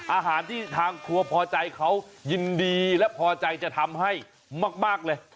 อาหารที่ทางครัวพอใจเขายินดีและพอใจจะทำให้มากเลย